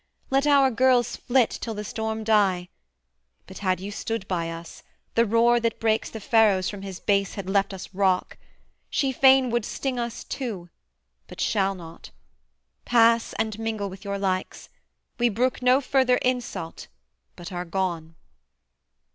Let our girls flit, Till the storm die! but had you stood by us, The roar that breaks the Pharos from his base Had left us rock. She fain would sting us too, But shall not. Pass, and mingle with your likes. We brook no further insult but are gone.'